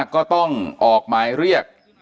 ก็ต้องออกหมายเรียก